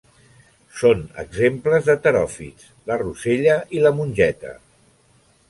Són exemples de teròfits la rosella i la mongeta.